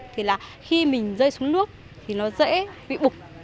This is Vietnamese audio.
thì là khi mình rơi xuống nước thì nó dễ bị bục